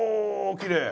きれい！